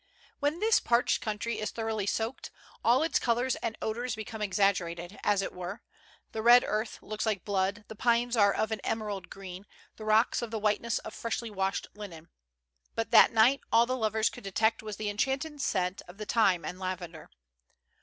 When this parched country is thoroughly soaked, all its colors and odors became exaggerated, as it were; the red earth looks like blood, the pines are ol' an emerald green, the rocks of the whiteness offreshly washed linen. But that night all the lovers could detect was the enhanced scent of the thyme and lavender.